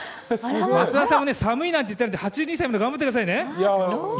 松田さんも寒いなんて言っていないで、８２歳まで頑張ってくださいね。